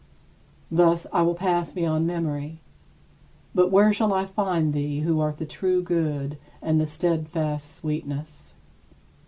Thus I will pass beyond memory; but where shall I find thee, who art the true Good and the steadfast Sweetness?